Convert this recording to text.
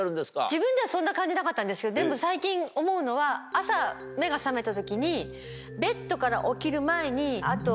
自分ではそんな感じなかったんですけどでも最近思うのは。を何十分やって。